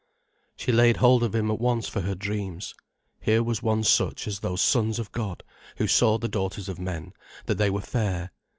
She laid hold of him at once for her dreams. Here was one such as those Sons of God who saw the daughters of men, that they were fair.